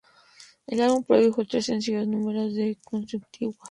El álbum produjo tres sencillos número uno consecutivos.